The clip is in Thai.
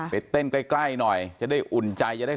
ไปเต้นใกล้หน่อยจะได้อุ่นใจจะได้